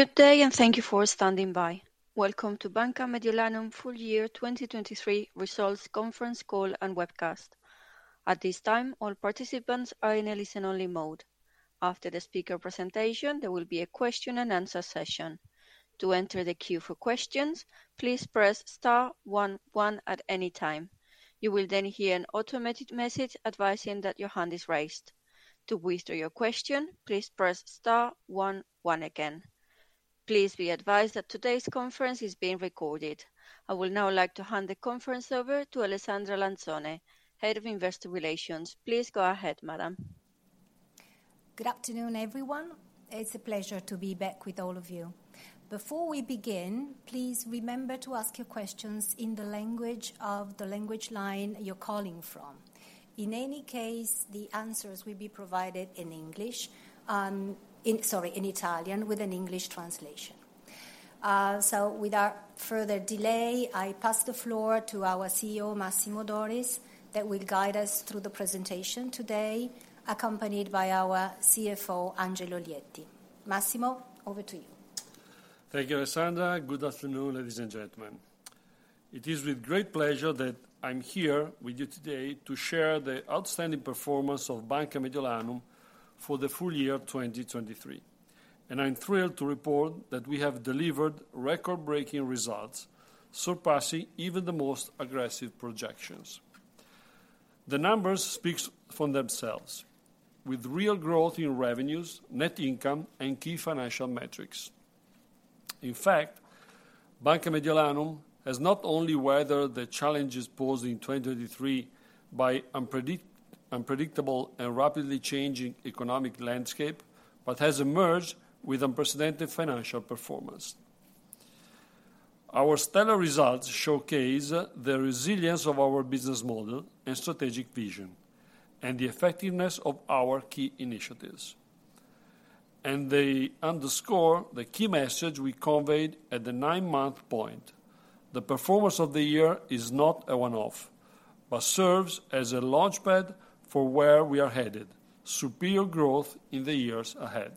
Good day, and thank you for standing by. Welcome to Banca Mediolanum Full Year 2023 Results Conference Call and Webcast. At this time, all participants are in a listen-only mode. After the speaker presentation, there will be a question-and-answer session. To enter the queue for questions, please press star one one at any time. You will then hear an automated message advising that your hand is raised. To withdraw your question, please press star one one again. Please be advised that today's conference is being recorded. I would now like to hand the conference over to Alessandra Lanzone, Head of Investor Relations. Please go ahead, madam. Good afternoon, everyone. It's a pleasure to be back with all of you. Before we begin, please remember to ask your questions in the language of the language line you're calling from. In any case, the answers will be provided in English, sorry in Italian with an English translation. So without further delay, I pass the floor to our CEO, Massimo Doris, that will guide us through the presentation today, accompanied by our CFO, Angelo Lietti. Massimo, over to you. Thank you, Alessandra. Good afternoon, ladies and gentlemen. It is with great pleasure that I'm here with you today to share the outstanding performance of Banca Mediolanum for the full year of 2023, and I'm thrilled to report that we have delivered record-breaking results, surpassing even the most aggressive projections. The numbers speak for themselves, with real growth in revenues, net income, and key financial metrics. In fact, Banca Mediolanum has not only weathered the challenges posed in 2023 by unpredictable and rapidly changing economic landscape, but has emerged with unprecedented financial performance. Our stellar results showcase the resilience of our business model and strategic vision, and the effectiveness of our key initiatives. They underscore the key message we conveyed at the nine-month point: the performance of the year is not a one-off, but serves as a launchpad for where we are headed, superior growth in the years ahead.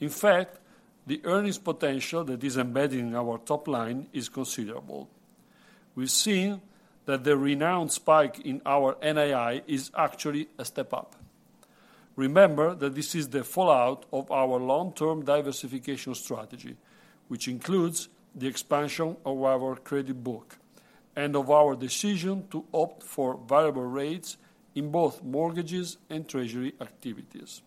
In fact, the earnings potential that is embedded in our top line is considerable. We've seen that the renowned spike in our NII is actually a step up. Remember that this is the fallout of our long-term diversification strategy, which includes the expansion of our credit book and of our decision to opt for variable rates in both mortgages and treasury activities.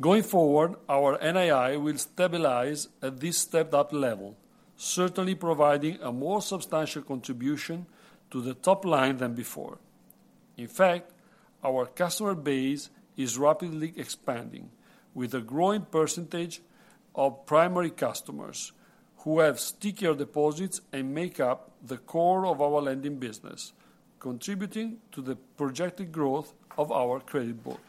Going forward, our NII will stabilize at this stepped-up level, certainly providing a more substantial contribution to the top line than before. In fact, our customer base is rapidly expanding with a growing percentage of primary customers who have stickier deposits and make up the core of our lending business, contributing to the projected growth of our credit book.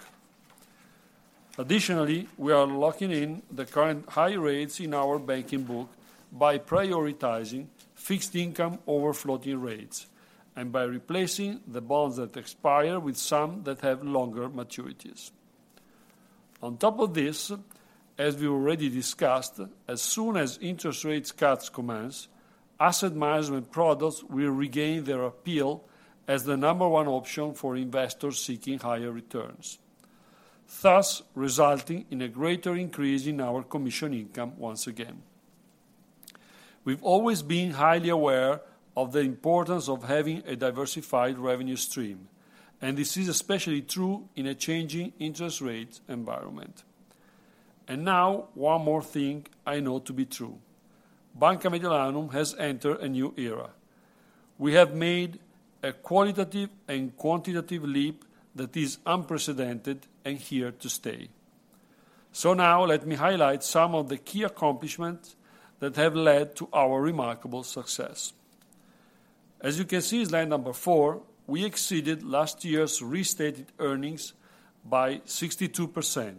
Additionally, we are locking in the current high rates in our banking book by prioritizing fixed income over floating rates, and by replacing the bonds that expire with some that have longer maturities. On top of this, as we already discussed, as soon as interest rate cuts commence, asset management products will regain their appeal as the number one option for investors seeking higher returns, thus resulting in a greater increase in our commission income once again. We've always been highly aware of the importance of having a diversified revenue stream, and this is especially true in a changing interest rate environment. And now, one more thing I know to be true, Banca Mediolanum has entered a new era. We have made a qualitative and quantitative leap that is unprecedented and here to stay. So now let me highlight some of the key accomplishments that have led to our remarkable success. As you can see in slide number four, we exceeded last year's restated earnings by 62%,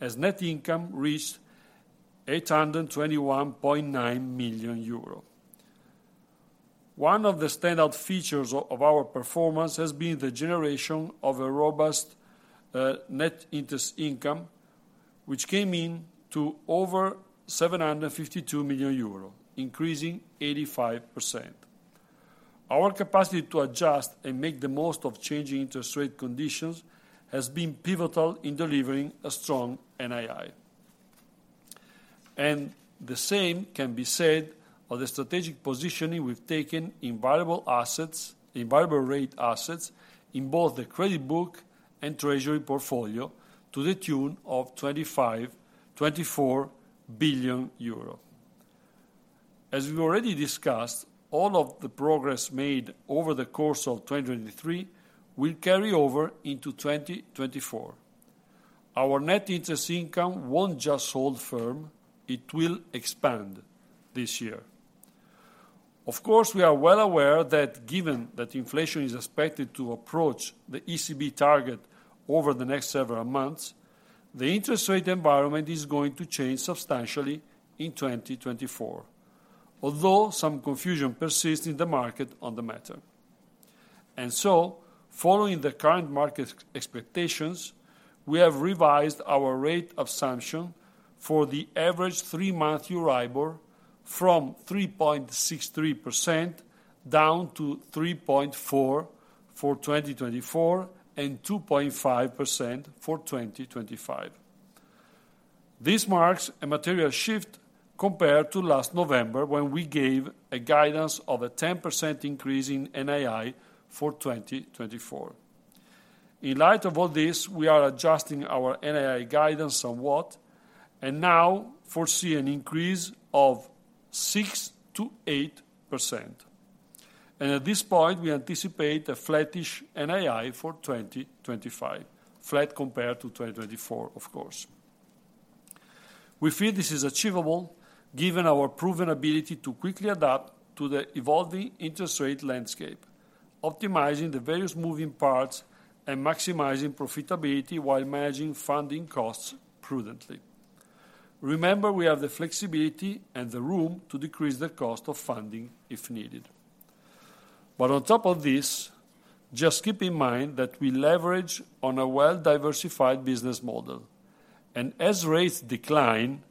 as net income reached 821.9 million euro. One of the standout features of our performance has been the generation of a robust net interest income, which came in to over 752 million euro, increasing 85%. Our capacity to adjust and make the most of changing interest rate conditions has been pivotal in delivering a strong NII. The same can be said of the strategic positioning we've taken in variable assets, in variable rate assets in both the credit book and treasury portfolio to the tune of 24 billion euro. As we've already discussed, all of the progress made over the course of 2023 will carry over into 2024. Our net interest income won't just hold firm. It will expand this year. Of course, we are well aware that given that inflation is expected to approach the ECB target over the next several months, the interest rate environment is going to change substantially in 2024, although some confusion persists in the market on the matter. Following the current market expectations, we have revised our rate assumption for the average three-month EURIBOR from 3.63% down to 3.4% for 2024, and 2.5% for 2025. This marks a material shift compared to last November, when we gave a guidance of a 10% increase in NII for 2024. In light of all this, we are adjusting our NII guidance somewhat, and now foresee an increase of 6%-8%. At this point, we anticipate a flattish NII for 2025, flat compared to 2024, of course. We feel this is achievable, given our proven ability to quickly adapt to the evolving interest rate landscape, optimizing the various moving parts and maximizing profitability, while managing funding costs prudently. Remember, we have the flexibility and the room to decrease the cost of funding if needed. But on top of this, just keep in mind that we leverage on a well-diversified business model, and as rates decline,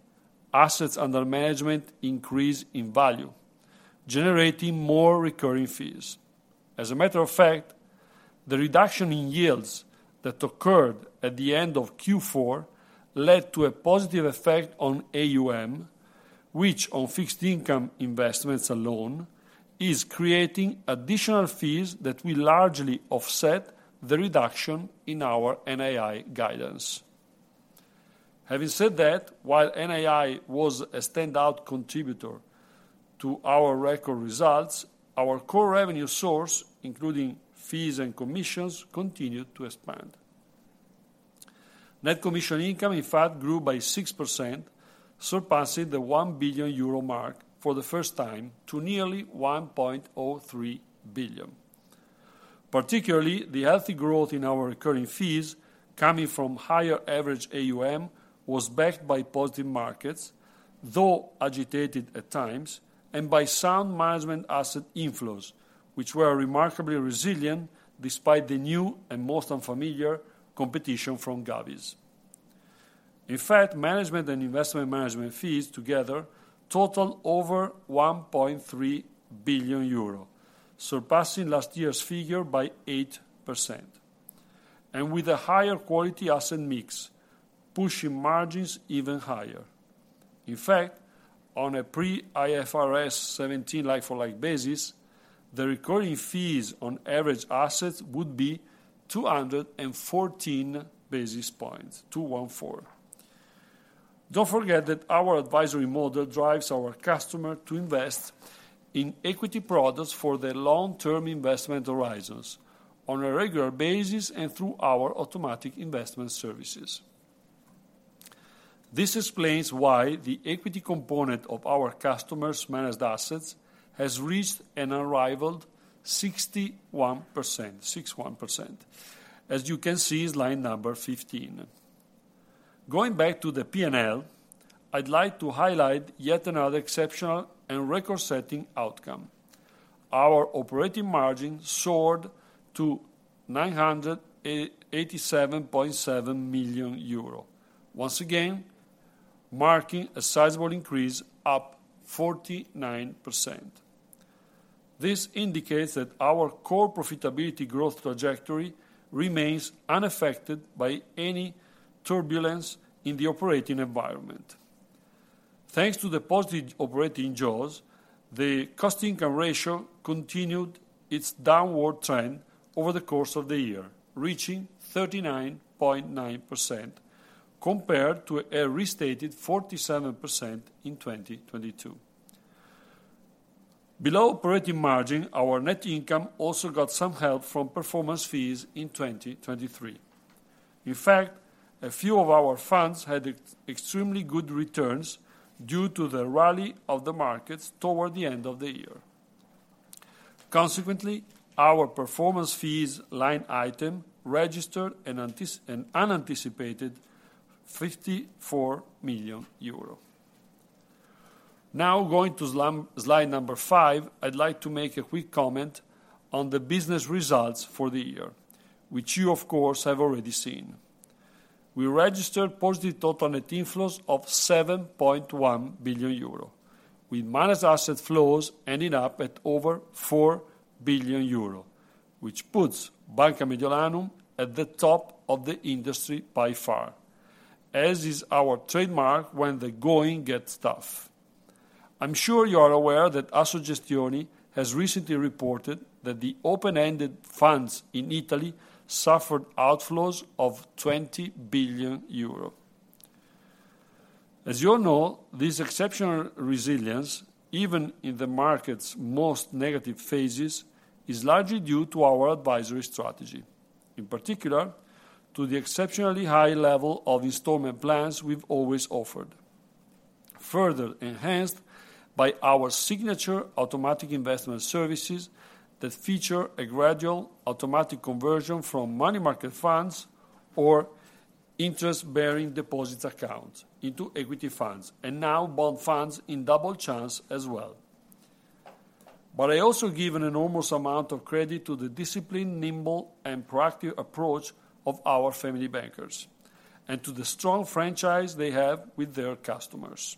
assets under management increase in value, generating more recurring fees. As a matter of fact, the reduction in yields that occurred at the end of Q4 led to a positive effect on AUM, which, on fixed income investments alone, is creating additional fees that will largely offset the reduction in our NII guidance. Having said that, while NII was a standout contributor to our record results, our core revenue source, including fees and commissions, continued to expand. Net commission income, in fact, grew by 6%, surpassing the 1 billion euro mark for the first time to nearly 1.03 billion. Particularly, the healthy growth in our recurring fees, coming from higher average AUM, was backed by positive markets, though agitated at times, and by sound management asset inflows, which were remarkably resilient despite the new and most unfamiliar competition from govies. In fact, management and investment management fees together totaled over 1.3 billion euro, surpassing last year's figure by 8%, and with a higher quality asset mix, pushing margins even higher. In fact, on a pre-IFRS 17 like-for-like basis, the recurring fees on average assets would be 214 basis points, 214. Don't forget that our advisory model drives our customer to invest in equity products for their long-term investment horizons on a regular basis and through our automatic investment services. This explains why the equity component of our customers' managed assets has reached an unrivaled 61%, 61%. As you can see, slide number 15. Going back to the P&L, I'd like to highlight yet another exceptional and record-setting outcome. Our operating margin soared to 987.7 million euro. Once again, marking a sizable increase, up 49%. This indicates that our core profitability growth trajectory remains unaffected by any turbulence in the operating environment. Thanks to the positive operating jaws, the cost-income ratio continued its downward trend over the course of the year, reaching 39.9%, compared to a restated 47% in 2022. Below operating margin, our net income also got some help from performance fees in 2023. In fact, a few of our funds had extremely good returns due to the rally of the markets toward the end of the year. Consequently, our performance fees line item registered an unanticipated 54 million euro. Now, going to slide number five, I'd like to make a quick comment on the business results for the year, which you, of course, have already seen. We registered positive total net inflows of 7.1 billion euro, with managed asset flows ending up at over 4 billion euro, which puts Banca Mediolanum at the top of the industry by far, as is our trademark when the going gets tough. I'm sure you are aware that Assogestioni has recently reported that the open-ended funds in Italy suffered outflows of 20 billion euro. As you all know, this exceptional resilience, even in the market's most negative phases, is largely due to our advisory strategy, in particular, to the exceptionally high level of installment plans we've always offered, further enhanced by our signature automatic investment services that feature a gradual automatic conversion from money market funds or interest-bearing deposits accounts into equity funds, and now bond funds in Double Chance as well. But I also give an enormous amount of credit to the disciplined, nimble, and proactive approach of our Family Bankers, and to the strong franchise they have with their customers.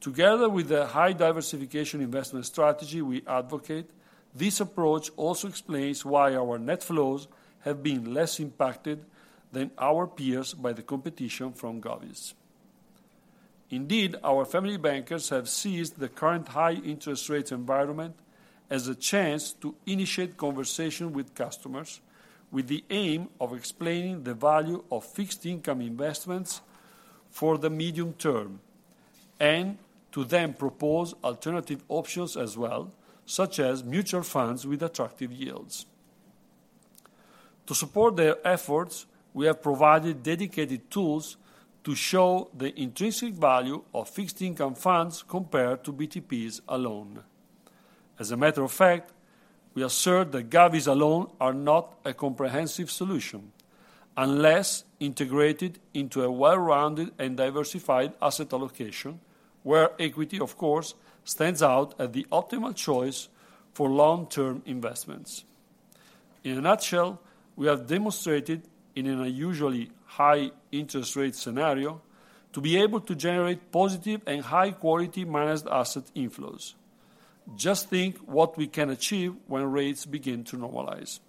Together with the high diversification investment strategy we advocate, this approach also explains why our net flows have been less impacted than our peers by the competition from govies. Indeed, our Family Bankers have seized the current high interest rate environment as a chance to initiate conversation with customers, with the aim of explaining the value of fixed income investments for the medium term, and to then propose alternative options as well, such as mutual funds with attractive yields. To support their efforts, we have provided dedicated tools to show the intrinsic value of fixed income funds compared to BTPs alone. As a matter of fact, we assert that govies alone are not a comprehensive solution, unless integrated into a well-rounded and diversified asset allocation, where equity, of course, stands out as the optimal choice for long-term investments. In a nutshell, we have demonstrated, in an unusually high interest rate scenario, to be able to generate positive and high-quality managed asset inflows. Just think what we can achieve when rates begin to normalize.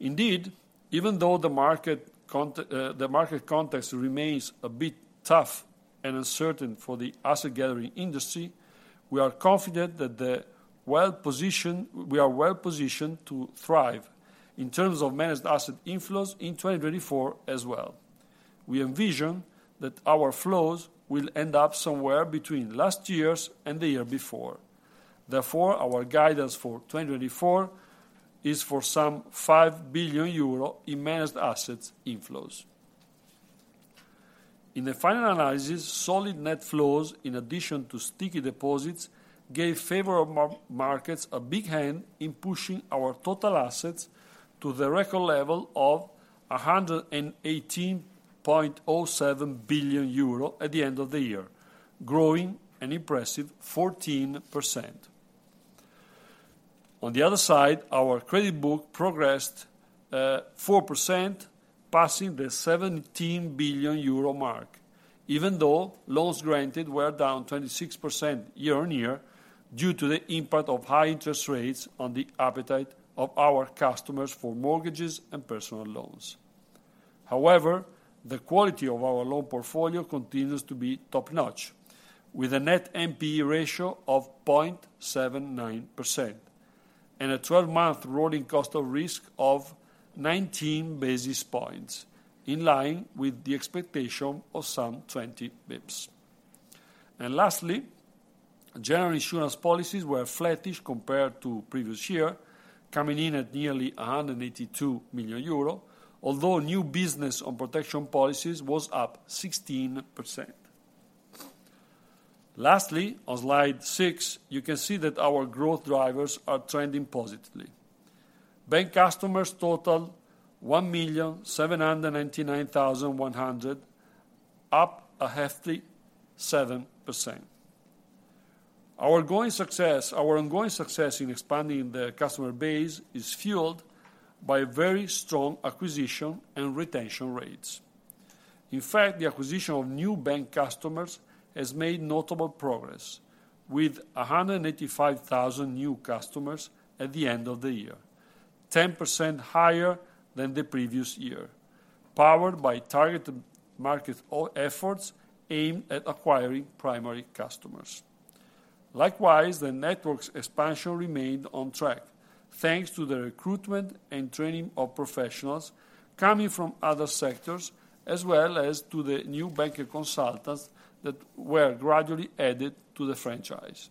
Indeed, even though the market context remains a bit tough and uncertain for the asset gathering industry, we are confident that we are well-positioned to thrive in terms of managed asset inflows in 2024 as well. We envision that our flows will end up somewhere between last year's and the year before. Therefore, our guidance for 2024 is for some 5 billion euro in managed assets inflows. In the final analysis, solid net flows, in addition to sticky deposits, gave favorable markets a big hand in pushing our total assets to the record level of 118.07 billion euro at the end of the year, growing an impressive 14%. On the other side, our credit book progressed 4%, passing the 17 billion euro mark, even though loans granted were down 26% year-on-year, due to the impact of high interest rates on the appetite of our customers for mortgages and personal loans. However, the quality of our loan portfolio continues to be top-notch, with a Net NPE ratio of 0.79% and a 12 month rolling cost of risk of 19 basis points, in line with the expectation of some 20 basis points. Lastly, General Insurance policies were flattish compared to previous year, coming in at nearly 182 million euro, although new business on protection policies was up 16%. Lastly, on slide six, you can see that our growth drivers are trending positively. Bank customers total 1,799,100, up a hefty 7%. Our ongoing success, our ongoing success in expanding the customer base is fueled by very strong acquisition and retention rates. In fact, the acquisition of new bank customers has made notable progress, with 185,000 new customers at the end of the year, 10% higher than the previous year, powered by targeted marketing efforts aimed at acquiring primary customers. Likewise, the network's expansion remained on track, thanks to the recruitment and training of professionals coming from other sectors, as well as to the new Banker Consultants that were gradually added to the franchise.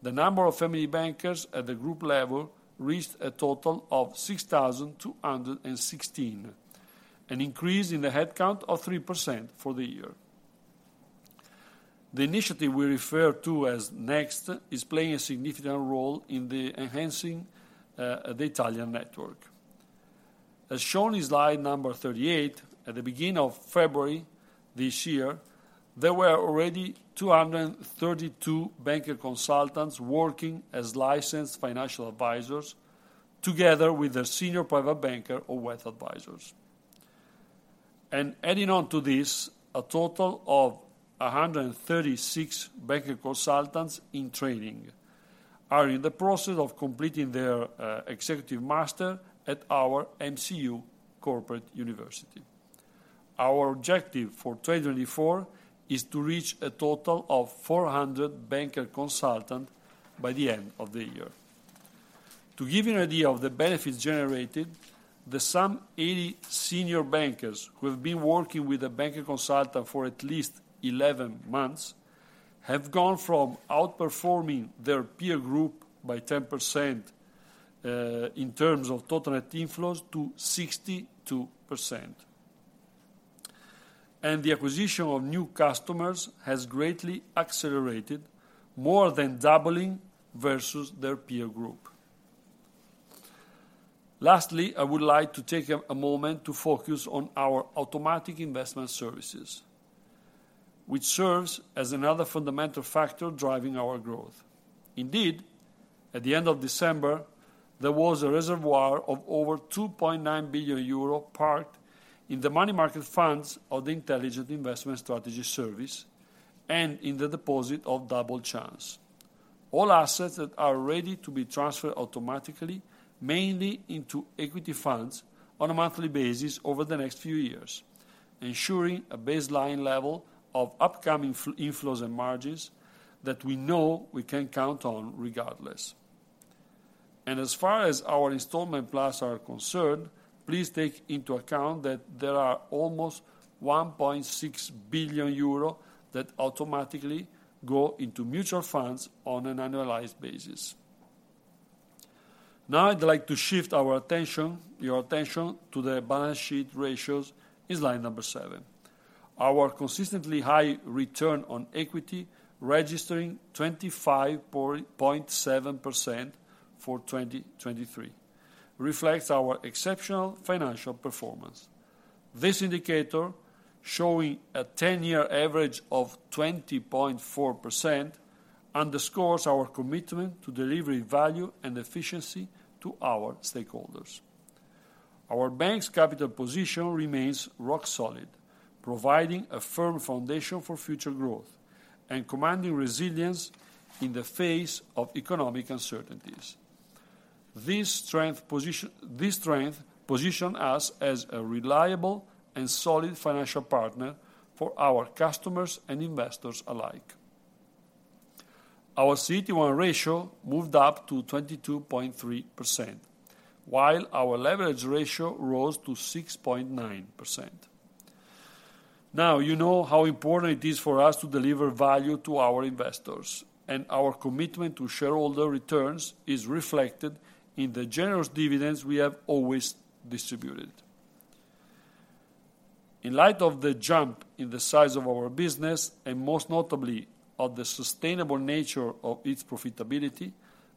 The number of Family Bankers at the group level reached a total of 6,216, an increase in the headcount of 3% for the year. The initiative we refer to as Next is playing a significant role in the enhancing the Italian network. As shown in slide number 38, at the beginning of February this year, there were already 232 Banker Consultants working as licensed financial advisors, together with their senior Private Banker or Wealth Advisors. Adding on to this, a total of 136 Banker Consultants in training are in the process of completing their executive master at our MCU Corporate University. Our objective for 2024 is to reach a total of 400 Banker Consultants by the end of the year. To give you an idea of the benefits generated, those 80 senior bankers who have been working with a Banker Consultant for at least 11 months have gone from outperforming their peer group by 10% in terms of total net inflows to 62% and the acquisition of new customers has greatly accelerated, more than doubling versus their peer group. Lastly, I would like to take a moment to focus on our automatic investment services, which serves as another fundamental factor driving our growth. Indeed, at the end of December, there was a reservoir of over 2.9 billion euro parked in the money market funds of the Intelligent Investment Strategy service and in the deposit of Double Chance. All assets that are ready to be transferred automatically, mainly into equity funds, on a monthly basis over the next few years, ensuring a baseline level of upcoming inflows and margins that we know we can count on regardless. And as far as our installment plans are concerned, please take into account that there are almost 1.6 billion euro that automatically go into mutual funds on an annualized basis. Now, I'd like to shift our attention, your attention, to the balance sheet ratios in slide number seven. Our consistently high return on equity, registering 25.7% for 2023, reflects our exceptional financial performance. This indicator, showing a 10-year average of 20.4%, underscores our commitment to delivering value and efficiency to our stakeholders. Our bank's capital position remains rock solid, providing a firm foundation for future growth and commanding resilience in the face of economic uncertainties. This strength positions us as a reliable and solid financial partner for our customers and investors alike. Our CET1 ratio moved up to 22.3%, while our leverage ratio rose to 6.9%. Now, you know how important it is for us to deliver value to our investors, and our commitment to shareholder returns is reflected in the generous dividends we have always distributed. In light of the jump in the size of our business, and most notably, of the sustainable nature of its profitability,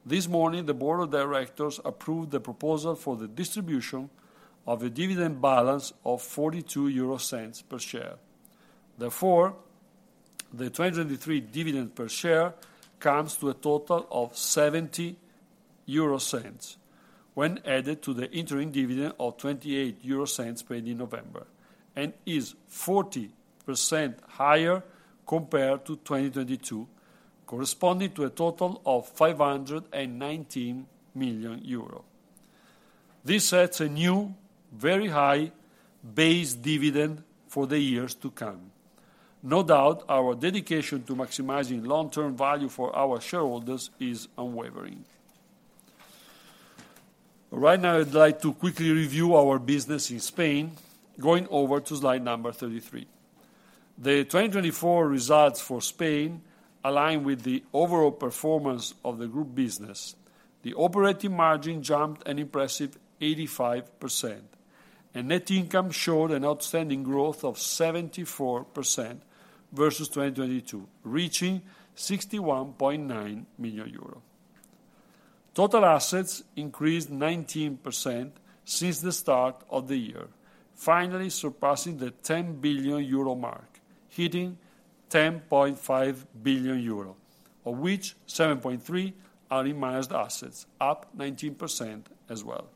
this morning, the board of directors approved the proposal for the distribution of a dividend balance of 0.42 per share. Therefore, the 2023 dividend per share comes to a total of 0.70 when added to the interim dividend of 0.28 paid in November, and is 40% higher compared to 2022, corresponding to a total of 519 million euro. This sets a new, very high base dividend for the years to come. No doubt, our dedication to maximizing long-term value for our shareholders is unwavering. Right now, I'd like to quickly review our business in Spain, going over to slide number 33. The 2024 results for Spain align with the overall performance of the group business. The operating margin jumped an impressive 85%, and net income showed an outstanding growth of 74% versus 2022, reaching 61.9 million euros. Total assets increased 19% since the start of the year, finally surpassing the 10 billion euro mark, hitting 10.5 billion euro, of which 7.3 are in managed assets, up 19% as well.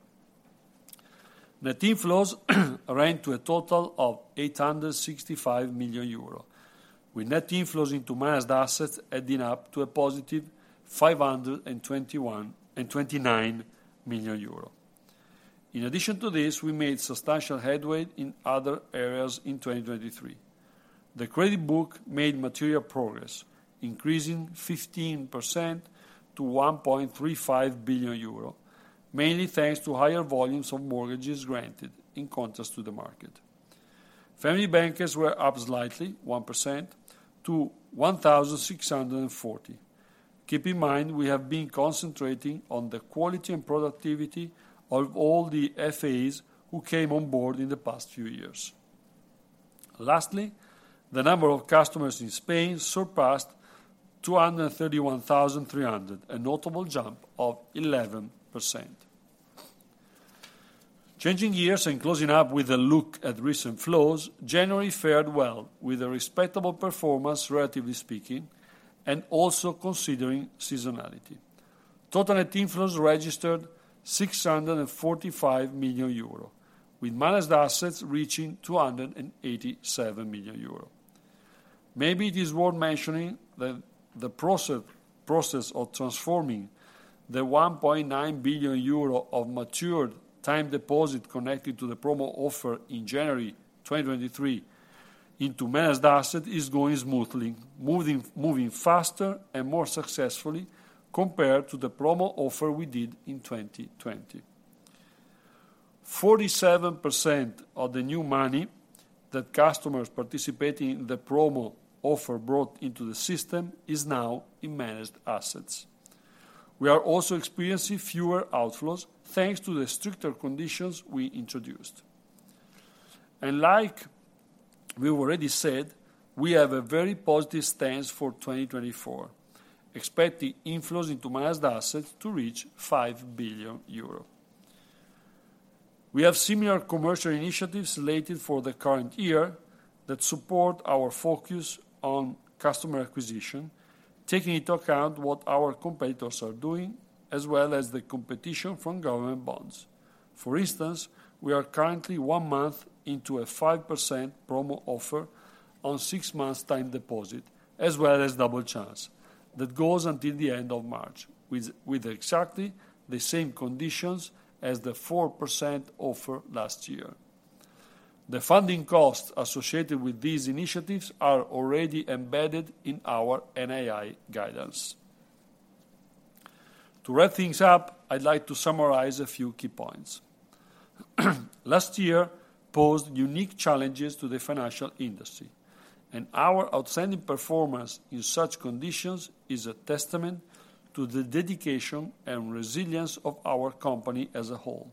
Net inflows ran to a total of 865 million euro, with net inflows into managed assets adding up to a positive 529 million euro. In addition to this, we made substantial headway in other areas in 2023. The credit book made material progress, increasing 15% to 1.35 billion euro, mainly thanks to higher volumes of mortgages granted in contrast to the market. Family Bankers were up slightly, 1%, to 1,640. Keep in mind, we have been concentrating on the quality and productivity of all the FAs who came on board in the past few years. Lastly, the number of customers in Spain surpassed 231,300, a notable jump of 11%. Changing gears and closing up with a look at recent flows, January fared well, with a respectable performance, relatively speaking, and also considering seasonality. Total net inflows registered 645 million euro, with managed assets reaching 287 million euro. Maybe it is worth mentioning that the process of transforming the 1.9 billion euro of matured time deposit connected to the promo offer in January 2023 into managed asset is going smoothly, moving faster and more successfully compared to the promo offer we did in 2020. 47% of the new money that customers participating in the promo offer brought into the system is now in managed assets. We are also experiencing fewer outflows, thanks to the stricter conditions we introduced. And like we've already said, we have a very positive stance for 2024, expecting inflows into managed assets to reach 5 billion euro. We have similar commercial initiatives slated for the current year that support our focus on customer acquisition, taking into account what our competitors are doing, as well as the competition from government bonds. For instance, we are currently one month into a 5% promo offer on six months' time deposit, as well as Double Chance, that goes until the end of March, with exactly the same conditions as the 4% offer last year. The funding costs associated with these initiatives are already embedded in our NII guidance. To wrap things up, I'd like to summarize a few key points. Last year posed unique challenges to the financial industry, and our outstanding performance in such conditions is a testament to the dedication and resilience of our company as a whole,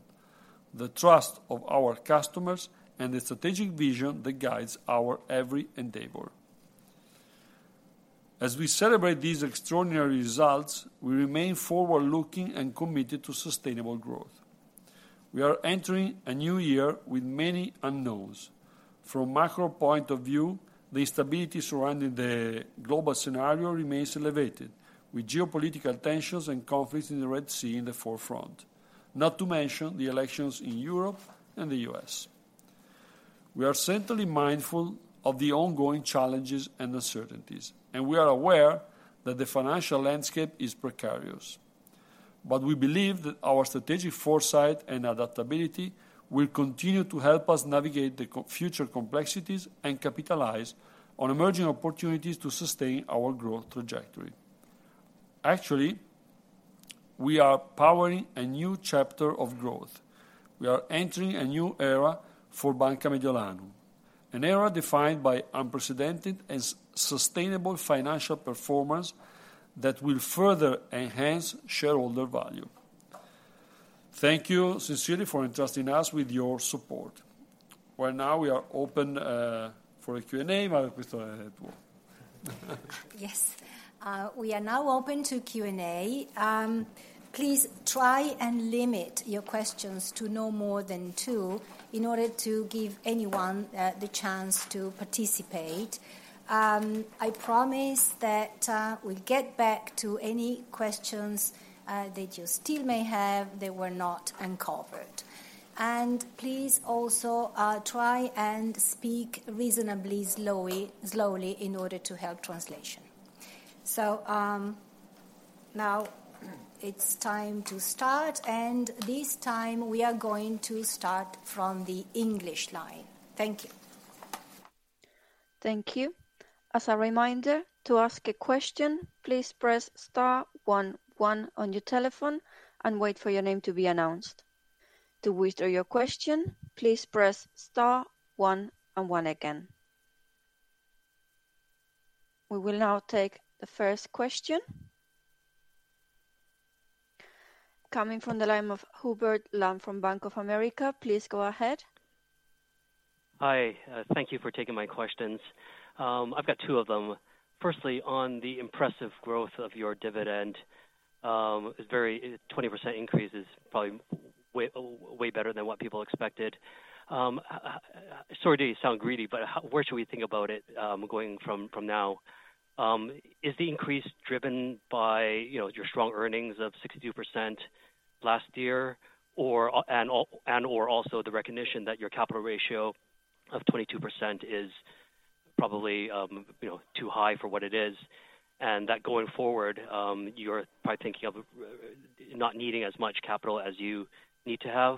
the trust of our customers, and the strategic vision that guides our every endeavor. As we celebrate these extraordinary results, we remain forward-looking and committed to sustainable growth. We are entering a new year with many unknowns. From a macro point of view, the instability surrounding the global scenario remains elevated, with geopolitical tensions and conflicts in the Red Sea in the forefront, not to mention the elections in Europe and the U.S. We are certainly mindful of the ongoing challenges and uncertainties, and we are aware that the financial landscape is precarious. But we believe that our strategic foresight and adaptability will continue to help us navigate the complex future complexities and capitalize on emerging opportunities to sustain our growth trajectory. Actually, we are powering a new chapter of growth. We are entering a new era for Banca Mediolanum, an era defined by unprecedented and sustainable financial performance that will further enhance shareholder value. Thank you sincerely for entrusting us with your support. Well, now we are open for a Q&A. Yes, we are now open to Q&A. Please try and limit your questions to no more than two in order to give anyone the chance to participate. I promise that we'll get back to any questions that you still may have that were not uncovered. And please also try and speak reasonably slowly in order to help translation. So, now it's time to start, and this time we are going to start from the English line. Thank you. Thank you. As a reminder, to ask a question, please press star one one on your telephone and wait for your name to be announced. To withdraw your question, please press star one and one again. We will now take the first question. Coming from the line of Hubert Lam from Bank of America, please go ahead. Hi, thank you for taking my questions. I've got two of them. Firstly, on the impressive growth of your dividend, it's very 20% increase is probably way, way better than what people expected. Sorry to sound greedy, but where should we think about it, going from now? Is the increase driven by, you know, your strong earnings of 62% last year, or, and/or also the recognition that your capital ratio of 22% is probably, you know, too high for what it is, and that going forward, you're probably thinking of not needing as much capital as you need to have?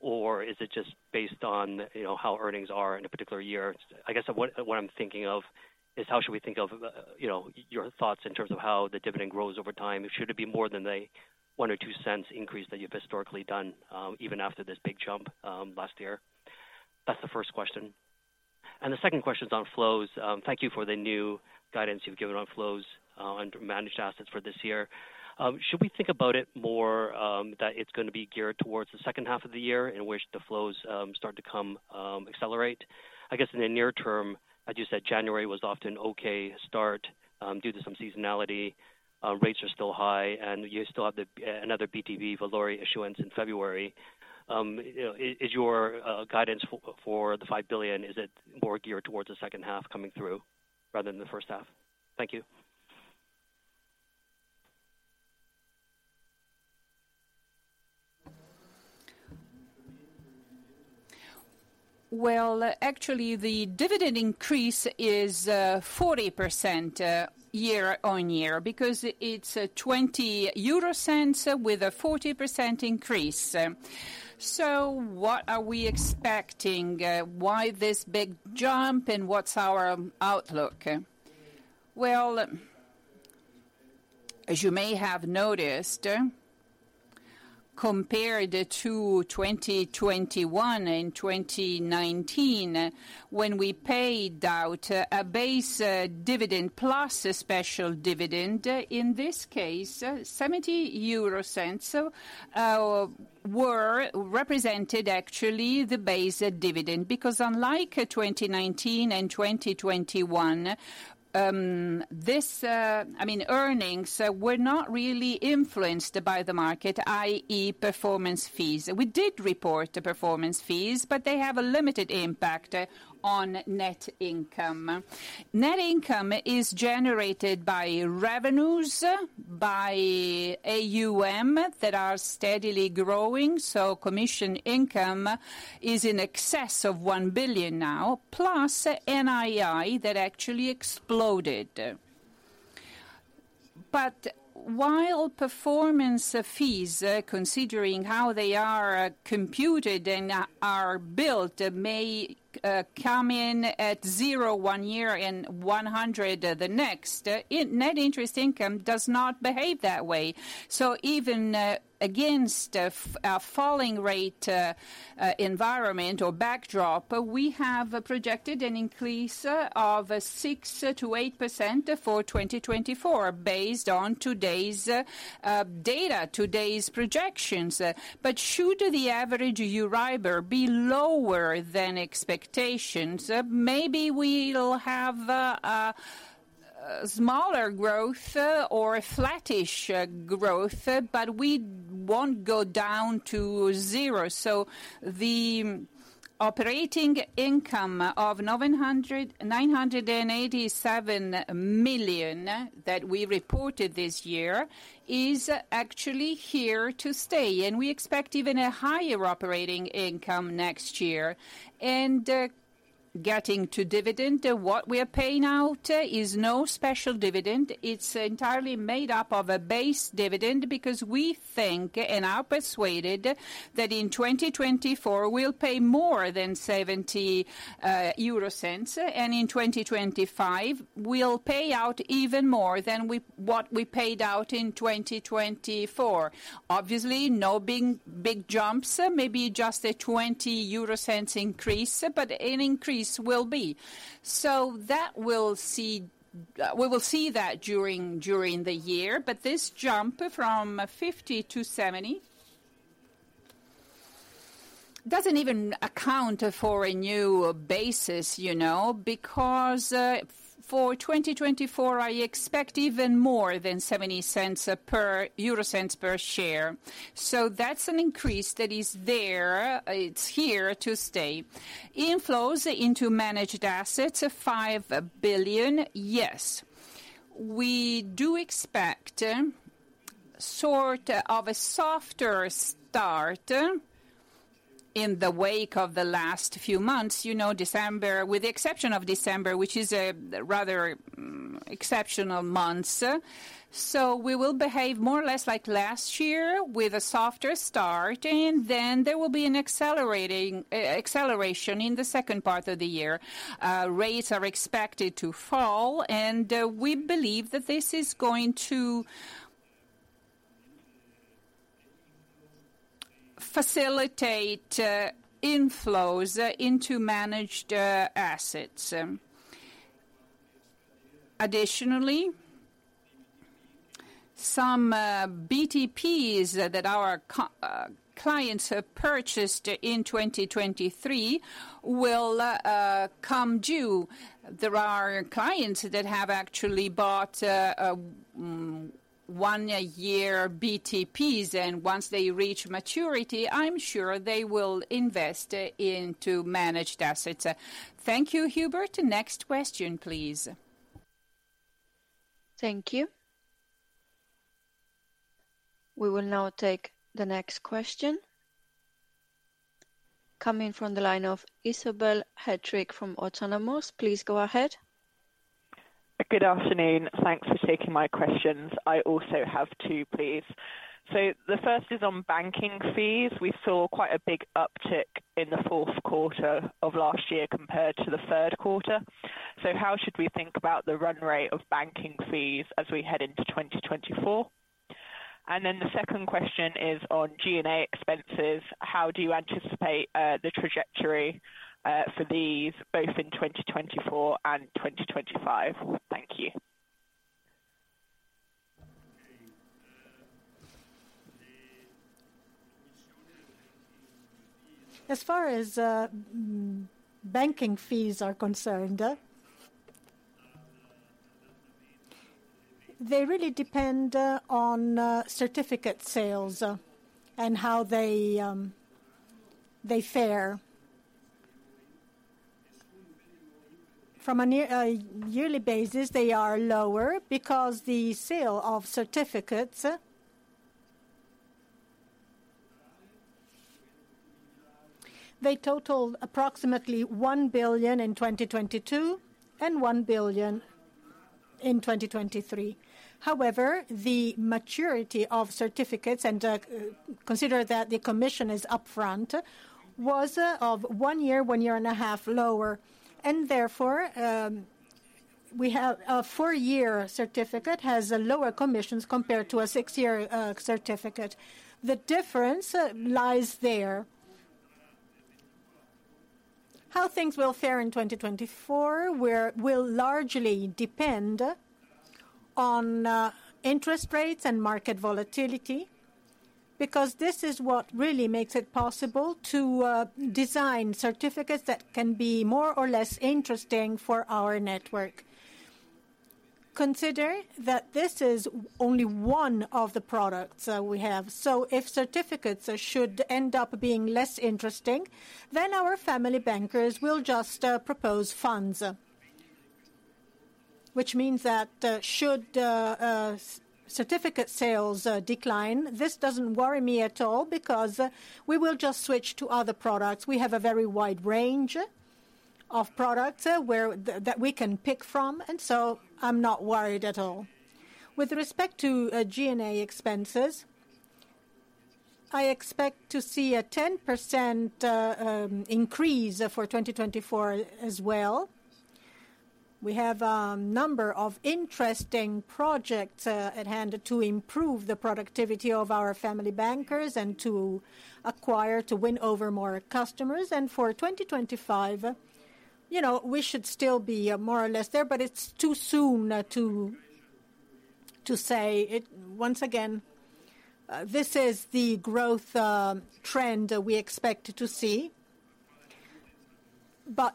Or is it just based on, you know, how earnings are in a particular year? I guess what I'm thinking of is how should we think of, you know, your thoughts in terms of how the dividend grows over time? Should it be more than a 0.01 or 0.02 increase that you've historically done, even after this big jump, last year? That's the first question. And the second question is on flows. Thank you for the new guidance you've given on flows, and managed assets for this year. Should we think about it more, that it's gonna be geared towards the second half of the year, in which the flows start to come, accelerate? I guess in the near term, as you said, January was a soft, okay start, due to some seasonality, rates are still high, and you still have the, another BTP Valore issuance in February. You know, is your guidance for the 5 billion, is it more geared towards the second half coming through rather than the first half? Thank you. Well, actually, the dividend increase is 40% year-on-year, because it's 0.20 with a 40% increase. So what are we expecting? Why this big jump, and what's our outlook? Well, as you may have noticed compared to 2021 and 2019, when we paid out a base dividend plus a special dividend, in this case, 0.70 were represented actually the base dividend. Because unlike 2019 and 2021, this, I mean, earnings were not really influenced by the market, i.e., performance fees. We did report the performance fees, but they have a limited impact on net income. Net income is generated by revenues, by AUM that are steadily growing, so commission income is in excess of 1 billion now, plus NII that actually exploded. But while performance fees, considering how they are computed and are built, may come in at zero one year and 100 the next, net interest income does not behave that way. So even against a falling rate environment or backdrop, we have projected an increase of 6%-8% for 2024, based on today's data, today's projections. But should the average EURIBOR be lower than expectations, maybe we'll have a smaller growth or a flattish growth, but we won't go down to zero. So the operating income of 987 million that we reported this year is actually here to stay, and we expect even a higher operating income next year. And getting to dividend, what we are paying out is no special dividend. It's entirely made up of a base dividend, because we think, and are persuaded, that in 2024 we'll pay more than 0.70, and in 2025, we'll pay out even more than we, what we paid out in 2024. Obviously, no big, big jumps, maybe just a 0.20 increase, but an increase will be. So that we'll see, we will see that during the year. But this jump from 50 to 70 doesn't even account for a new basis, you know, because, for 2024, I expect even more than 0.70 per share. So that's an increase that is there, it's here to stay. Inflows into managed assets, 5 billion. Yes. We do expect sort of a softer start in the wake of the last few months, you know, December, with the exception of December, which is a rather exceptional month. So we will behave more or less like last year with a softer start, and then there will be an accelerating acceleration in the second part of the year. Rates are expected to fall, and we believe that this is going to facilitate inflows into managed assets. Additionally, some BTPs that our clients have purchased in 2023 will come due. There are clients that have actually bought one-year BTPs, and once they reach maturity, I'm sure they will invest into managed assets. Thank you, Hubert. Next question, please. Thank you. We will now take the next question coming from the line of Isobel Hettrick from Autonomous. Please go ahead. Good afternoon. Thanks for taking my questions. I also have two, please. The first is on banking fees. We saw quite a big uptick in the fourth quarter of last year compared to the third quarter. How should we think about the run rate of banking fees as we head into 2024? And then the second question is on G&A expenses. How do you anticipate the trajectory for these, both in 2024 and 2025? Thank you. As far as banking fees are concerned, they really depend on certificate sales, and how they fare. From a year-on-year basis, they are lower because the sale of certificates. They totaled approximately 1 billion in 2022, and 1 billion in 2023. However, the maturity of certificates, and consider that the commission is upfront, was of one year, one year and a half lower, and therefore we have a four year certificate has lower commissions compared to a six year certificate. The difference lies there. How things will fare in 2024, where will largely depend on interest rates and market volatility, because this is what really makes it possible to design certificates that can be more or less interesting for our network. Consider that this is only one of the products we have. So if certificates should end up being less interesting, then our Family Bankers will just propose funds. Which means that should certificate sales decline, this doesn't worry me at all, because we will just switch to other products. We have a very wide range of products that we can pick from, and so I'm not worried at all. With respect to G&A expenses, I expect to see a 10% increase for 2024 as well. We have a number of interesting projects at hand to improve the productivity of our Family Bankers and to acquire, to win over more customers. And for 2025, you know, we should still be more or less there, but it's too soon to say. Once again, this is the growth trend we expect to see. But,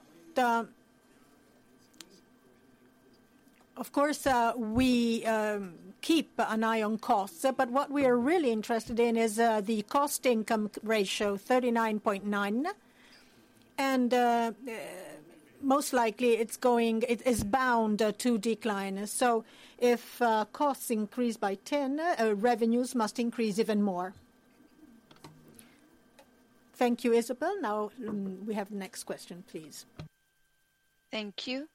of course, we keep an eye on costs, but what we are really interested in is the cost-income ratio, 39.9, and most likely it's going, it is bound to decline. So if costs increase by ten, revenues must increase even more. Thank you, Isobel. Now, we have the next question, please. Thank you.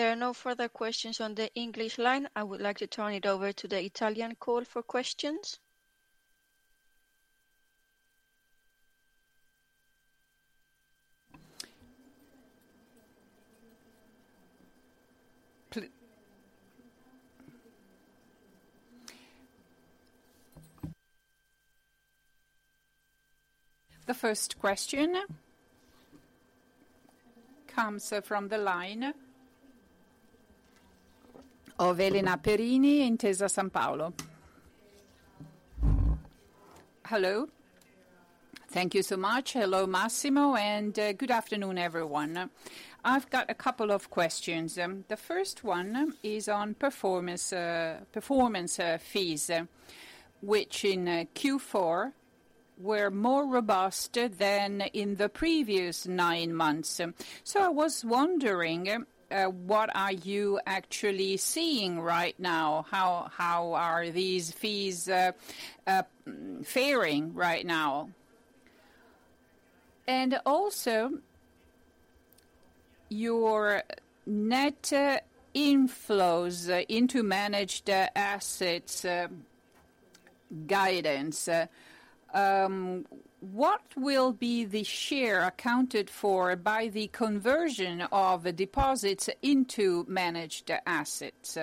There are no further questions on the English line. I would like to turn it over to the Italian call for questions. The first question comes from the line of Elena Perini, Intesa Sanpaolo. Hello. Thank you so much. Hello, Massimo, and good afternoon, everyone. I've got a couple of questions. The first one is on performance fees, which in Q4 were more robust than in the previous nine months. So I was wondering what are you actually seeing right now? How are these fees faring right now? And also, your net inflows into managed assets guidance, what will be the share accounted for by the conversion of deposits into managed assets?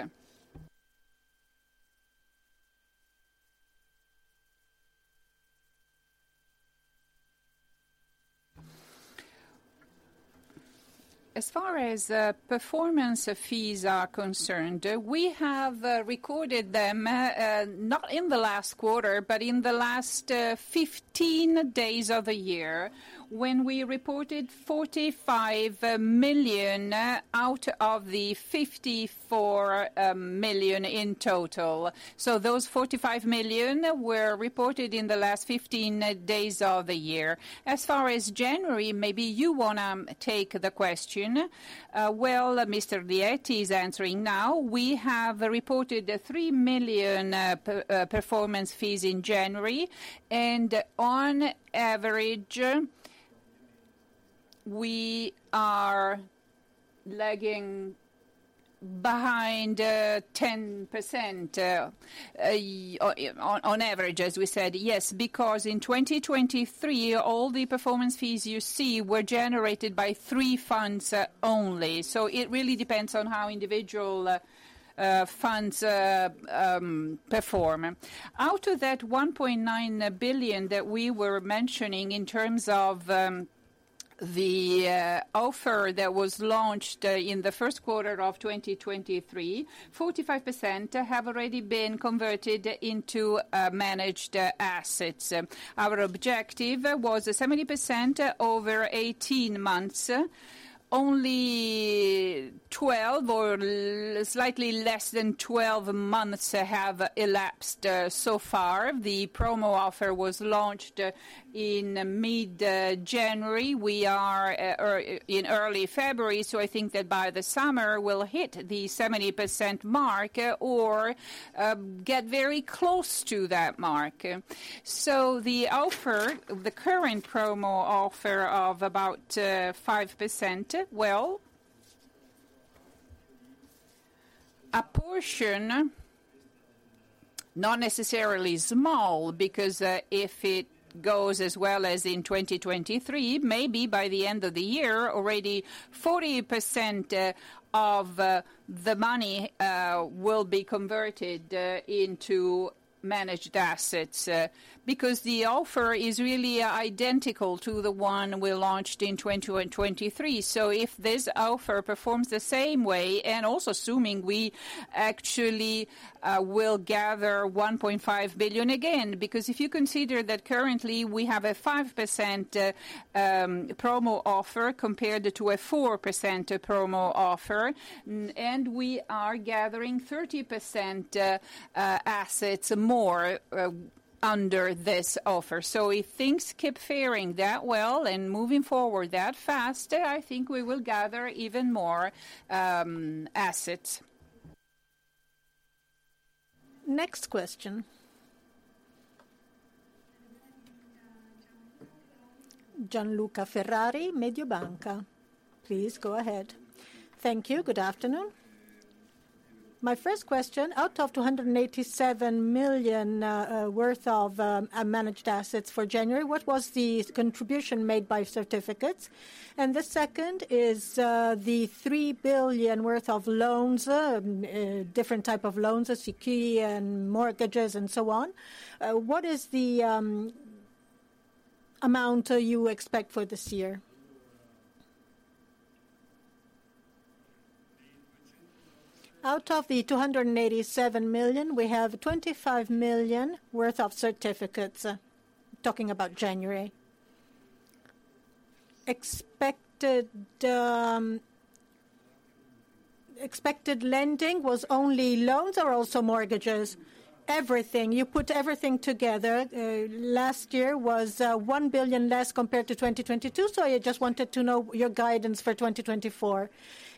As far as performance fees are concerned, we have recorded them not in the last quarter, but in the last 15 days of the year, when we reported 45 million out of the 54 million in total. So those 45 million were reported in the last 15 days of the year. As far as January, maybe you wanna take the question. Well, Mr. Lietti is answering now. We have reported 3 million performance fees in January, and on average, we are lagging behind 10% on average, as we said. Yes, because in 2023, all the performance fees you see were generated by three funds only. So it really depends on how individual funds perform. Out of that 1.9 billion that we were mentioning in terms of the offer that was launched in the first quarter of 2023, 45% have already been converted into managed assets. Our objective was 70% over 18 months. Only 12 or slightly less than 12 months have elapsed so far. The promo offer was launched in mid January. We are, or in early February, so I think that by the summer, we'll hit the 70% mark or, get very close to that mark. So the offer, the current promo offer of about, 5%, well, a portion, not necessarily small, because, if it goes as well as in 2023, maybe by the end of the year, already 40%, of, the money, will be converted, into managed assets. Because the offer is really, identical to the one we launched in 2023. So if this offer performs the same way, and also assuming we actually will gather 1.5 billion again, because if you consider that currently we have a 5% promo offer compared to a 4% promo offer, and we are gathering 30% more assets under this offer. So if things keep faring that well and moving forward that fast, I think we will gather even more assets. Next question. Gianluca Ferrari, Mediobanca, please go ahead. Thank you. Good afternoon. My first question, out of 287 million worth of managed assets for January, what was the contribution made by certificates? And the second is, the 3 billion worth of loans, different type of loans, as equity and mortgages and so on, what is the amount you expect for this year? Out of the 287 million, we have 25 million worth of certificates, talking about January. Expected, expected lending was only loans or also mortgages? Everything. You put everything together, last year was 1 billion less compared to 2022, so I just wanted to know your guidance for 2024.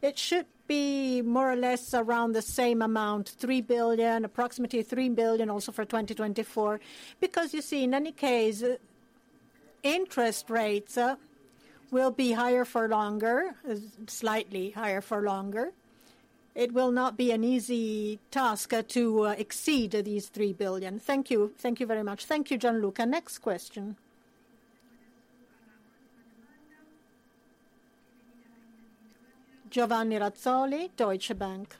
It should be more or less around the same amount, 3 billion, approximately 3 billion also for 2024. Because you see, in any case, interest rates will be higher for longer, slightly higher for longer. It will not be an easy task to exceed these 3 billion. Thank you. Thank you very much. Thank you, Gianluca. Next question. Giovanni Razzoli, Deutsche Bank.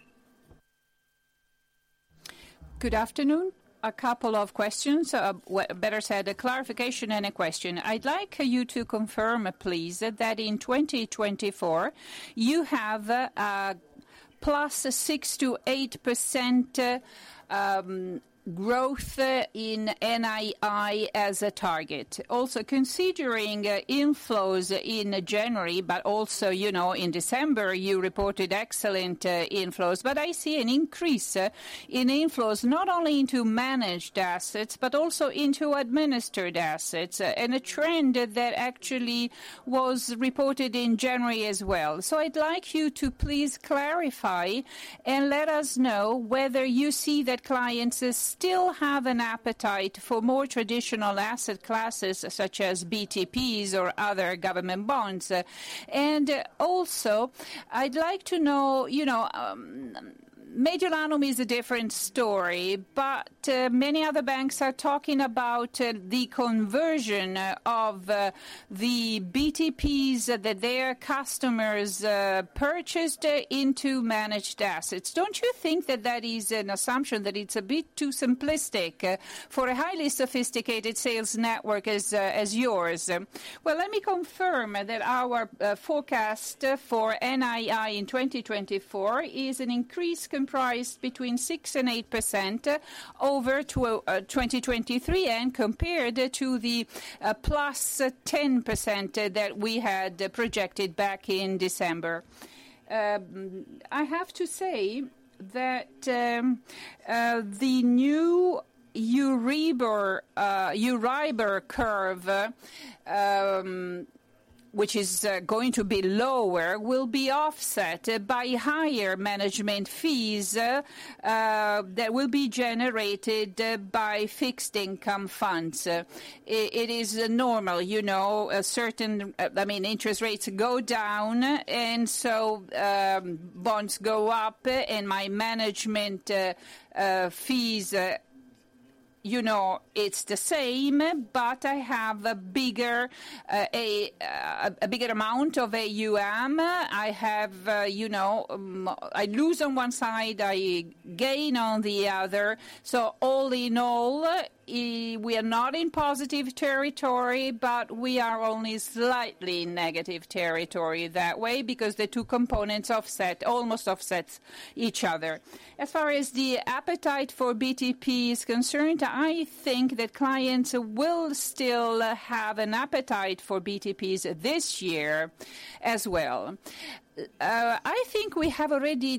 Good afternoon. A couple of questions, well, better said, a clarification and a question. I'd like you to confirm, please, that in 2024, you have growth in NII as a target. Also, considering inflows in January, but also, you know, in December, you reported excellent inflows. But I see an increase in inflows, not only into managed assets, but also into administered assets, and a trend that actually was reported in January as well. So I'd like you to please clarify and let us know whether you see that clients still have an appetite for more traditional asset classes, such as BTPs or other government bonds. And also, I'd like to know, you know, Mediolanum is a different story, but many other banks are talking about the conversion of the BTPs that their customers purchased into managed assets. Don't you think that that is an assumption, that it's a bit too simplistic for a highly sophisticated sales network as yours? Well, let me confirm that our forecast for NII in 2024 is an increase comprised between 6% and 8% over 2023, and compared to the +10% that we had projected back in December. I have to say that the new EURIBOR curve, which is going to be lower, will be offset by higher management fees that will be generated by fixed income funds. It is normal, you know, a certain... I mean, interest rates go down, and so, bonds go up, and my management fees, you know, it's the same, but I have a bigger amount of AUM. I have, you know, I lose on one side, I gain on the other. So all in all, we are not in positive territory, but we are only slightly in negative territory that way, because the two components offset, almost offsets each other. As far as the appetite for BTP is concerned, I think that clients will still have an appetite for BTPs this year as well. I think we have already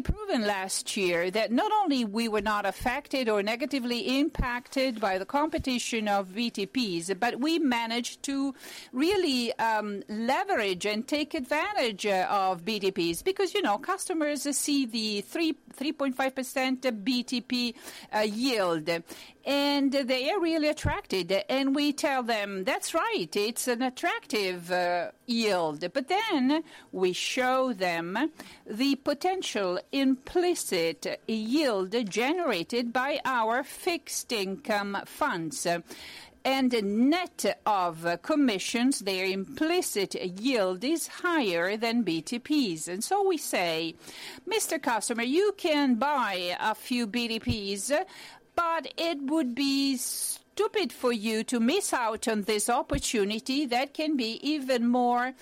proven last year that not only we were not affected or negatively impacted by the competition of BTPs, but we managed to really leverage and take advantage of BTPs. Because, you know, customers see the 3.5% BTP a yield, and they are really attracted. And we tell them, That's right, it's an attractive yield. But then we show them the potential implicit yield generated by our fixed income funds. And net of commissions, their implicit yield is higher than BTPs. And so we say, Mr customer, you can buy a few BTPs, but it would be stupid for you to miss out on this opportunity that can be even more,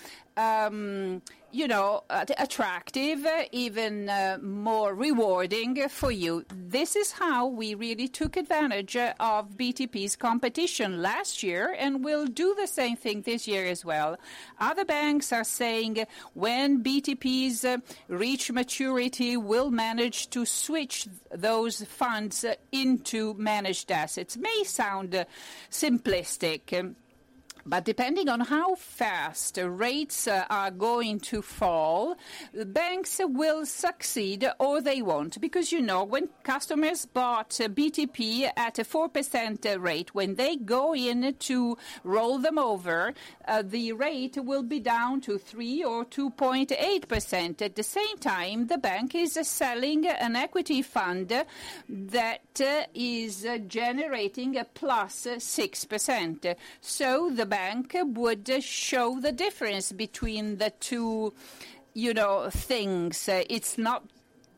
you know, attractive, even, more rewarding for you. This is how we really took advantage of BTP's competition last year, and we'll do the same thing this year as well. Other banks are saying when BTPs reach maturity, we'll manage to switch those funds into managed assets. May sound simplistic, but depending on how fast the rates are going to fall, banks will succeed or they won't. Because, you know, when customers bought BTP at a 4% rate, when they go in to roll them over, the rate will be down to 3% or 2.8%. At the same time, the bank is selling an equity fund that is generating a +6%. So the bank would show the difference between the two, you know, things. It's not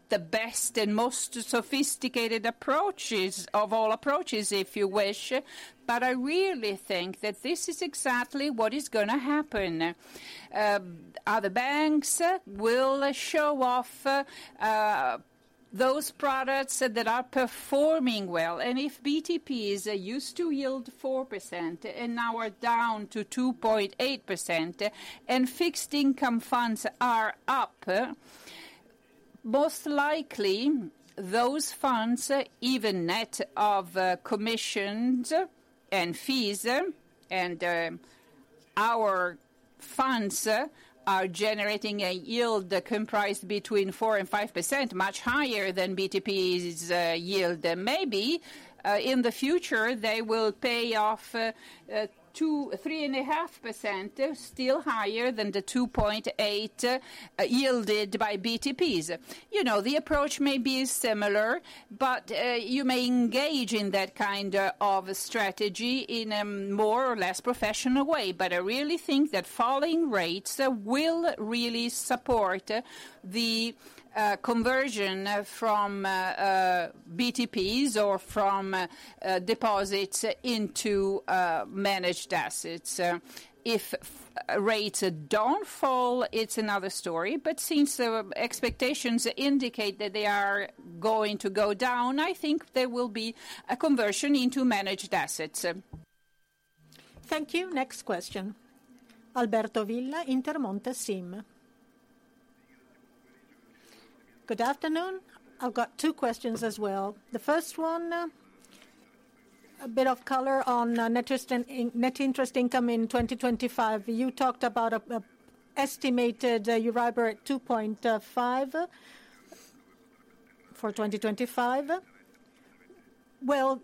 the best and most sophisticated approaches of all approaches, if you wish, but I really think that this is exactly what is gonna happen. Other banks will show off those products that are performing well. And if BTPs used to yield 4% and now are down to 2.8%, and fixed income funds are up, most likely those funds, even net of commissions and fees, and our funds are generating a yield comprised between 4% and 5%, much higher than BTP's yield. Maybe in the future, they will pay off 2%-3.5%, still higher than the 2.8% yielded by BTPs. You know, the approach may be similar, but you may engage in that kind of a strategy in a more or less professional way. But I really think that falling rates will really support the conversion from BTPs or from deposits into managed assets. If rates don't fall, it's another story, but since the expectations indicate that they are going to go down, I think there will be a conversion into managed assets. Thank you. Next question, Alberto Villa, Intermonte SIM. Good afternoon. I've got two questions as well. The first one, a bit of color on net interest income in 2025. You talked about an estimated EURIBOR at 2.5 for 2025. Well,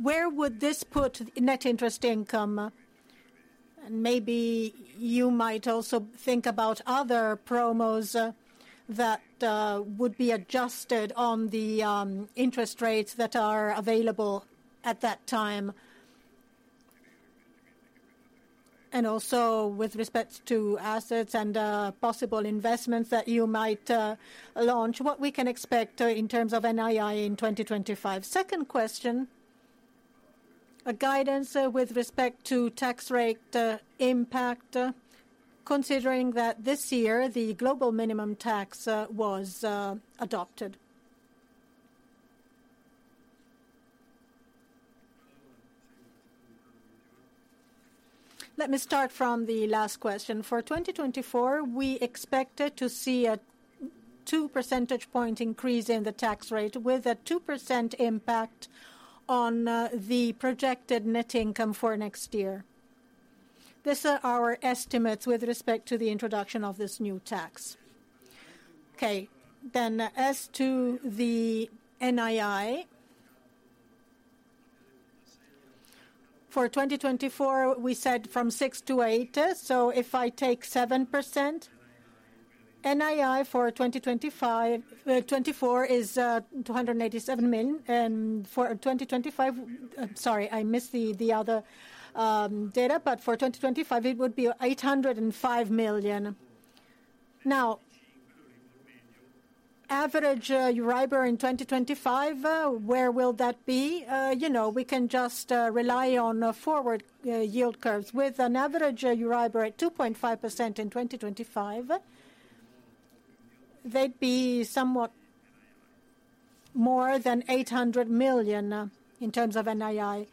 where would this put net interest income? And maybe you might also think about other promos that would be adjusted on the interest rates that are available at that time. And also with respect to assets and possible investments that you might launch, what we can expect in terms of NII in 2025? Second question, a guidance with respect to tax rate impact, considering that this year, the global minimum tax was adopted. Let me start from the last question. For 2024, we expected to see a 2 percentage point increase in the tax rate, with a 2% impact on the projected net income for next year. These are our estimates with respect to the introduction of this new tax. Okay, then as to the NII, for 2024, we said 6%-8%. So if I take 7%, NII for 2025, 2024 is 287 million, and for 2025 Sorry, I missed the other data, but for 2025, it would be 805 million. Now, average EURIBOR in 2025, where will that be? You know, we can just rely on forward yield curves. With an average EURIBOR at 2.5% in 2025, they'd be somewhat more than 800 million in terms of NII.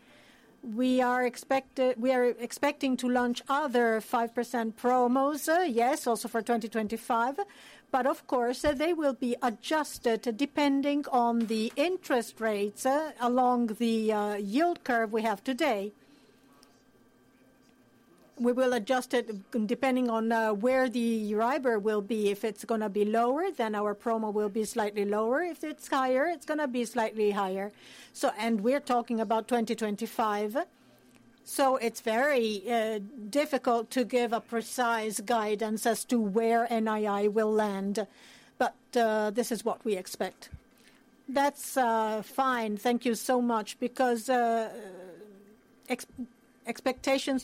We are expecting to launch other 5% promos, yes, also for 2025, but of course, they will be adjusted depending on the interest rates along the yield curve we have today. We will adjust it depending on where the EURIBOR will be. If it's gonna be lower, then our promo will be slightly lower. If it's higher, it's gonna be slightly higher. So, and we're talking about 2025, so it's very difficult to give a precise guidance as to where NII will land, but this is what we expect. That's fine. Thank you so much, because expectations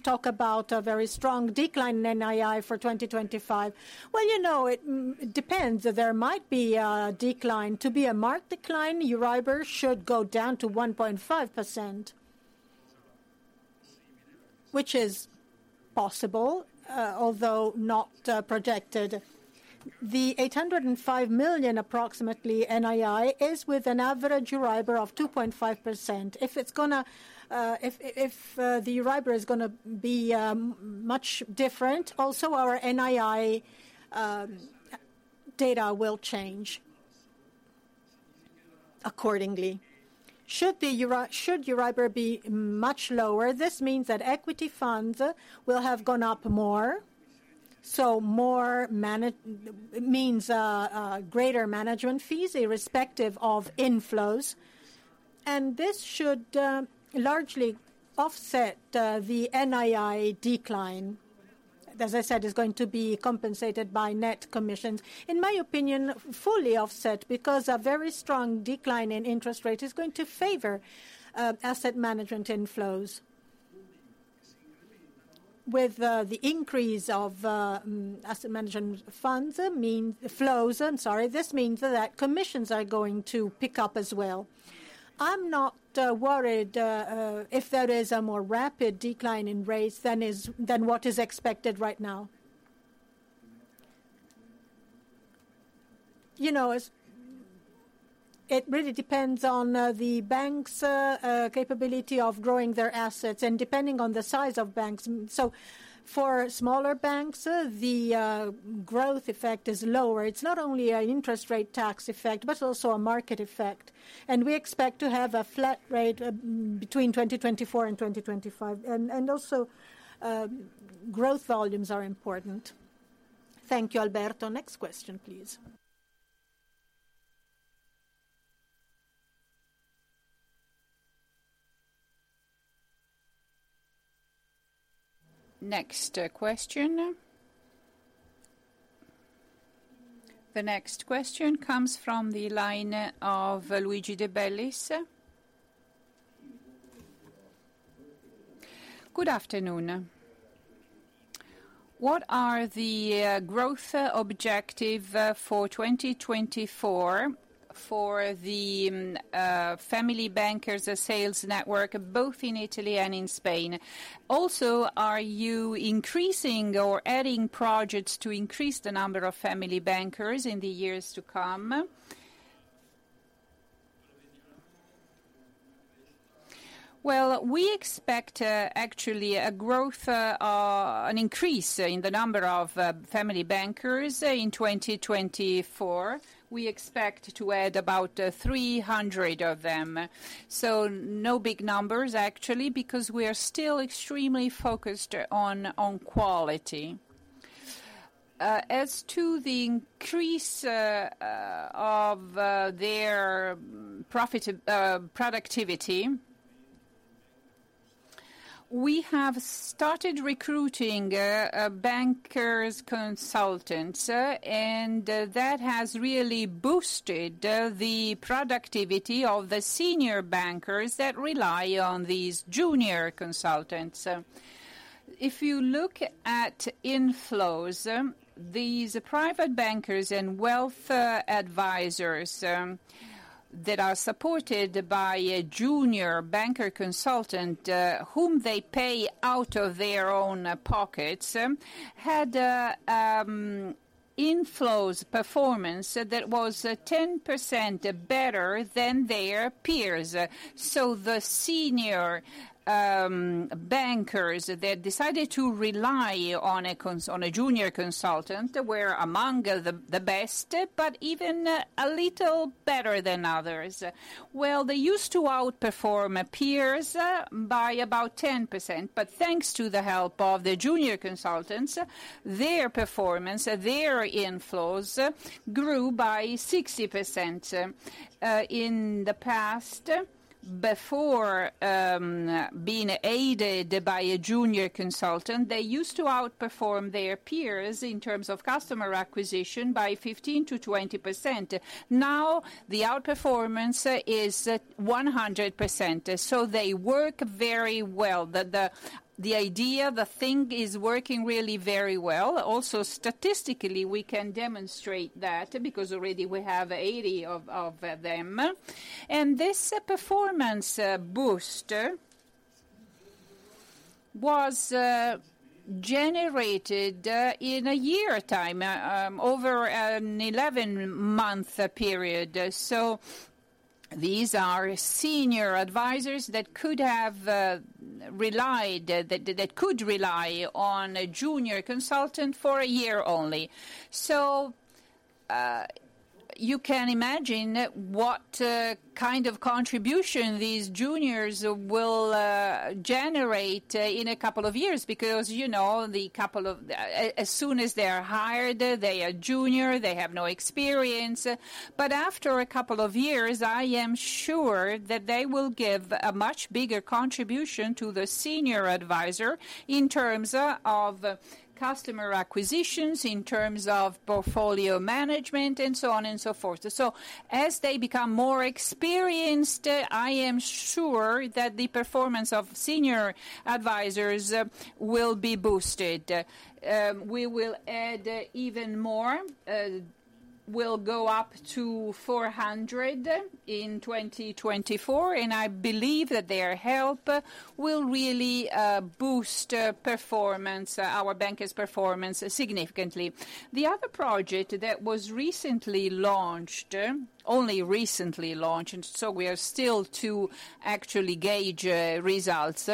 talk about a very strong decline in NII for 2025. Well, you know, it depends. There might be a decline. To be a marked decline, EURIBOR should go down to 1.5%, which is possible, although not projected. The 805 million, approximately NII, is with an average EURIBOR of 2.5%. If it's gonna. If the EURIBOR is gonna be much different, also, our NII data will change accordingly. Should EURIBOR be much lower, this means that equity funds will have gone up more, so more management means greater management fees, irrespective of inflows. And this should largely offset the NII decline. As I said, it's going to be compensated by net commissions. In my opinion, fully offset, because a very strong decline in interest rate is going to favor asset management inflows. With the increase of asset management funds, it means flows. I'm sorry, this means that commissions are going to pick up as well. I'm not worried if there is a more rapid decline in rates than what is expected right now. You know, it really depends on the bank's capability of growing their assets and depending on the size of banks. So for smaller banks, the growth effect is lower. It's not only an interest rate tax effect, but also a market effect. And we expect to have a flat rate between 2024 and 2025. And also growth volumes are important. Thank you, Alberto. Next question, please. Next question. The next question comes from the line of Luigi De Bellis. Good afternoon. What are the growth objective for 2024 for the Family Bankers and sales network, both in Italy and in Spain? Also, are you increasing or adding projects to increase the number of Family Bankers in the years to come? Well, we expect actually an increase in the number of Family Bankers in 2024. We expect to add about 300 of them. So no big numbers, actually, because we are still extremely focused on quality. As to the increase of their productivity, we have started recruiting Banker Consultants and that has really boosted the productivity of the senior bankers that rely on these junior consultants. So if you look at inflows, these Private Bankers and Wealth Advisors that are supported by a junior banker consultant, whom they pay out of their own pockets, had a inflows performance that was 10% better than their peers. So the senior bankers that decided to rely on a junior consultant were among the best, but even a little better than others. Well, they used to outperform peers by about 10%, but thanks to the help of the junior consultants, their performance, their inflows, grew by 60%. In the past, before being aided by a junior consultant, they used to outperform their peers in terms of customer acquisition by 15%-20%. Now, the outperformance is 100%, so they work very well. The idea, the thing is working really very well. Also, statistically, we can demonstrate that, because already we have 80 of them. And this performance booster was generated in a year time, over 11-month period. So these are senior advisors that could have relied, that could rely on a junior consultant for a year only. So you can imagine what kind of contribution these juniors will generate in a couple of years. Because, you know, as soon as they are hired, they are junior, they have no experience. But after a couple of years, I am sure that they will give a much bigger contribution to the senior advisor in terms of customer acquisitions, in terms of portfolio management, and so on and so forth. So as they become more experienced, I am sure that the performance of senior advisors will be boosted. We will add even more, we'll go up to 400 in 2024, and I believe that their help will really boost performance, our bankers' performance significantly. The other project that was recently launched, only recently launched, and so we are still to actually gauge results,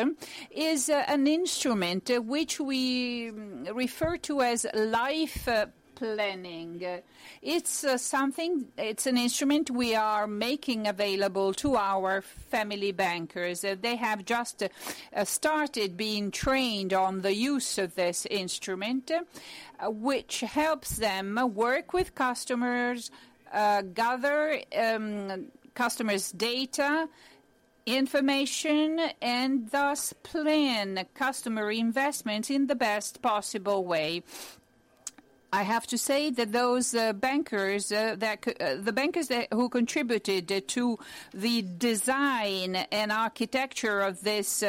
is an instrument which we refer to as Life Planning. It's something. It's an instrument we are making available to our Family Bankers. They have just started being trained on the use of this instrument, which helps them work with customers, gather customers' data, information, and thus plan customer investment in the best possible way. I have to say that those bankers that who contributed to the design and architecture of this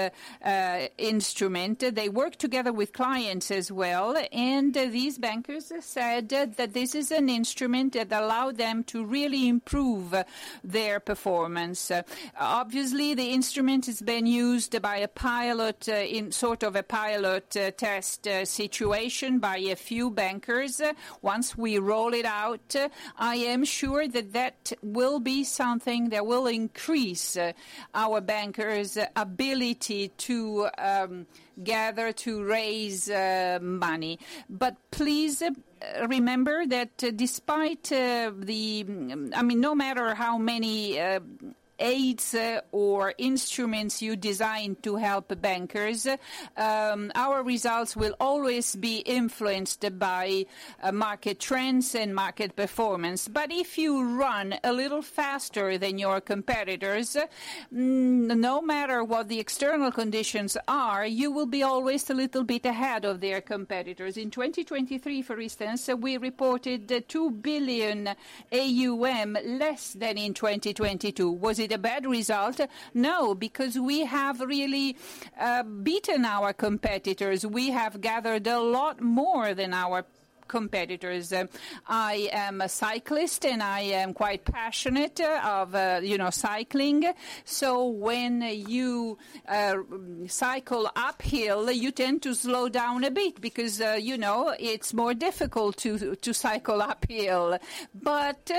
instrument, they work together with clients as well, and these bankers have said that this is an instrument that allow them to really improve their performance. Obviously, the instrument has been used by a pilot in sort of a pilot test situation by a few bankers. Once we roll it out, I am sure that that will be something that will increase our bankers' ability to gather, to raise money. But please, remember that despite the... I mean, no matter how many aids or instruments you design to help the bankers, our results will always be influenced by market trends and market performance. But if you run a little faster than your competitors, no matter what the external conditions are, you will be always a little bit ahead of their competitors. In 2023, for instance, we reported 2 billion AUM, less than in 2022. Was it a bad result? No, because we have really beaten our competitors. We have gathered a lot more than our competitors. I am a cyclist, and I am quite passionate of, you know, cycling. So when you cycle uphill, you tend to slow down a bit because, you know, it's more difficult to cycle uphill. But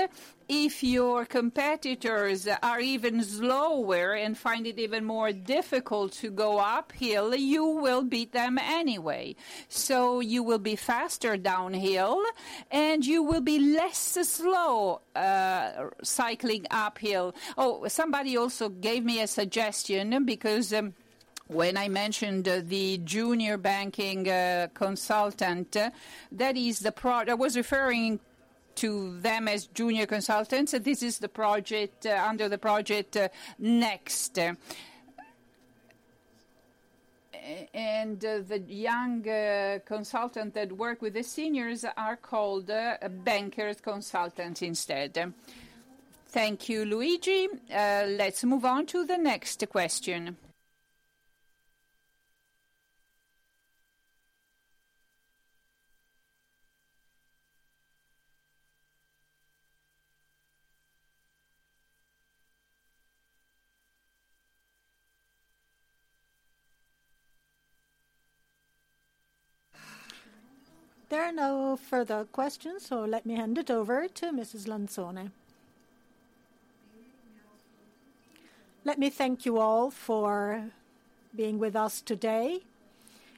if your competitors are even slower and find it even more difficult to go uphill, you will beat them anyway. So you will be faster downhill, and you will be less slow cycling uphill. Oh, somebody also gave me a suggestion, because when I mentioned the junior banking consultant, that is the pro- I was referring to them as junior consultants, this is the project, under the Project Next. And the young consultant that work with the seniors are called Bankers Consultants instead. Thank you, Luigi. Let's move on to the next question. There are no further questions, so let me hand it over to Mrs. Lanzone. Let me thank you all for being with us today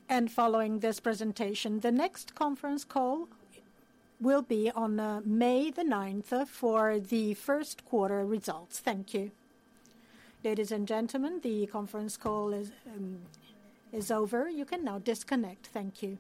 and following this presentation. The next conference call will be on May the ninth, for the first quarter results. Thank you. Ladies and gentlemen, the conference call is over. You can now disconnect. Thank you.